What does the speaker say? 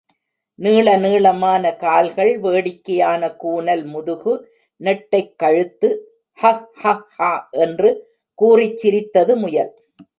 நீள நீளமான கால்கள், வேடிக்கையான கூனல் முதுகு, நெட்டைக் கழுத்து... ஹஹ்ஹஹ்ஹா என்று கூறிச் சிரித்தது, முயல்.